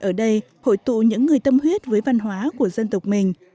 ở đây hội tụ những người tâm huyết với văn hóa của dân tộc mình